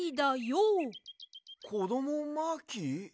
こどもマーキー？